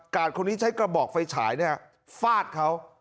การ์ดคนนี้ใช้กระบอกไฟฉายเนี่ยฟาดเขา